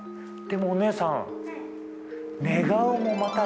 でもお姉さん。